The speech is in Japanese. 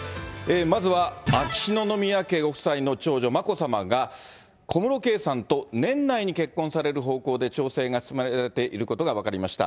まずは秋篠宮家ご夫妻の長女、眞子さまが、小室圭さんと年内に結婚される方向で、調整が進められていることが分かりました。